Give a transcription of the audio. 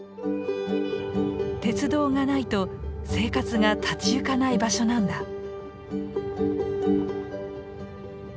鉄道がないと生活が立ちゆかない場所なんだ。